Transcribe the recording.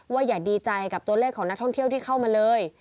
อย่าดีใจกับตัวเลขของนักท่องเที่ยวที่เข้ามาเลย